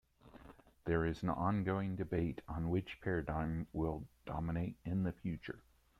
There is an ongoing debate on which paradigm will dominate in the future.